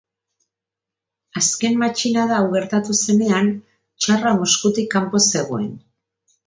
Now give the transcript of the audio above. Azken matxinada hau gertatu zenean, tsarra Moskutik kanpo zegoen.